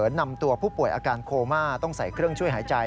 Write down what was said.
นำตัวผู้ป่วยอาการโคม่าต้องใส่เครื่องช่วยหายใจ